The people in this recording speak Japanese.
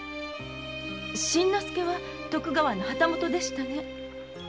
新之助は徳川の旗本でしたね。